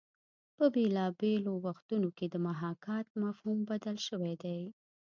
په بېلابېلو وختونو کې د محاکات مفهوم بدل شوی دی